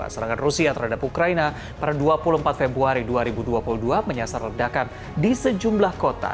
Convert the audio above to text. serangan rusia terhadap ukraina pada dua puluh empat februari dua ribu dua puluh dua menyasar ledakan di sejumlah kota